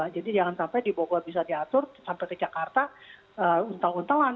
jadi jangan sampai di bogor bisa diatur sampai ke jakarta untung untungan